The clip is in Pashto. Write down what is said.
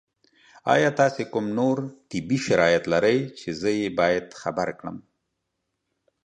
ایا تاسو کوم نور طبي شرایط لرئ چې زه یې باید خبر کړم؟